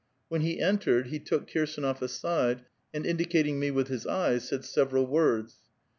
When he entered, he took Kirsdnof aside, and indicating me with his eyes, said several words.